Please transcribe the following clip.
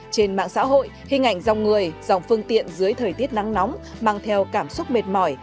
trên mạng xã hội hình ảnh dòng người dòng phương tiện dưới thời tiết nắng nóng mang theo cảm xúc mệt mỏi